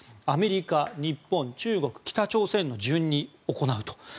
アメリカ、日本、中国、北朝鮮の順に行うと。